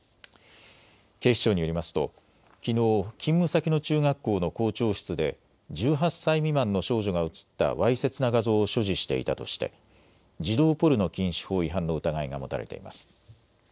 警視庁によりますときのう勤務先の中学校の校長室で１８歳未満の少女が写ったわいせつな画像を所持していたとして児童ポルノ禁止法違反の疑いが持たれています。